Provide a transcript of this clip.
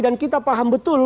dan kita paham betul